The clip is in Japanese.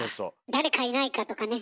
誰かいないかとかね。